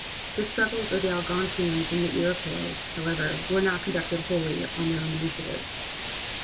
The struggles of the Algonquins and the Iroquois, however, were not conducted wholly on their own initiative.